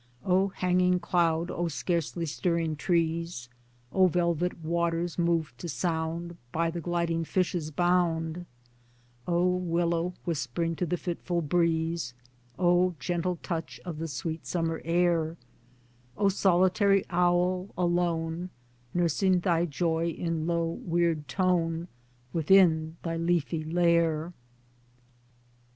CAMBRIDGE '51 O hanging cloud, O scarcely stirring trees, O velvet waters moved to sound By the gliding fishes' bound, O Willow, whispering to the fitful breeze, O gentle touch of the sweet summer air, O solitary owl, alone, Nursing thy joy in low weird tone Within thy leafy lair